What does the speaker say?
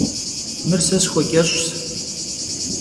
Mır se sxueç'eş'ş.